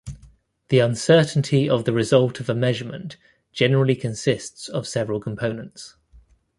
The uncertainty of the result of a measurement generally consists of several components.